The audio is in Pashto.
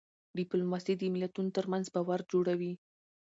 ډيپلوماسي د ملتونو ترمنځ باور جوړوي.